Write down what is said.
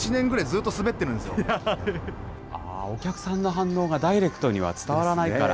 反応がダイレクトには伝わらないから。